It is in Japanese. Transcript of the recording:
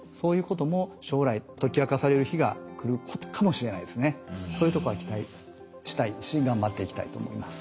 そういうそういうとこは期待したいし頑張っていきたいと思います。